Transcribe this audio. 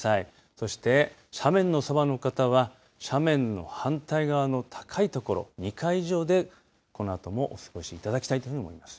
そして斜面のそばの方は斜面の反対側の高い所２階以上でこのあともお過ごしいただきたいというふうに思います。